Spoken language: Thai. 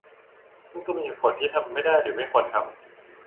ซึ่งก็มีเหตุผลที่ทำไม่ได้หรือไม่ควรทำ